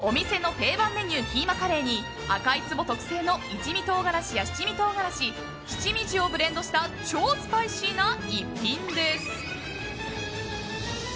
お店の定番メニューキーマカレーに赤い壺特製の一味唐辛子や七味唐辛子七味塩をブレンドした超スパイシーな一品です。